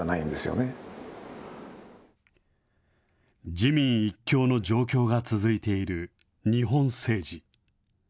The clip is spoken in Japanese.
自民一強の状況が続いている日本政治。